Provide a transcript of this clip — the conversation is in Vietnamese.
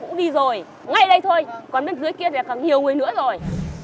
chúng tôi cũng đi rồi ngay đây thôi còn bên dưới kia thì là càng nhiều người nữa rồi